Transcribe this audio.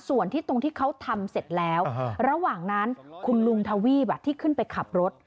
ส่วนที่ตรงที่เขาทำเสร็จแล้วระหว่างนั้นคุณลุงทวีปที่ขึ้นไปขับรถ